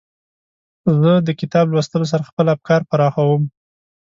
زه د کتاب لوستلو سره خپل افکار پراخوم.